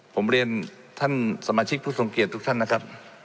ผมเรียนท่านสมาชิกผู้ทรงเกียจทุกท่านนะครับ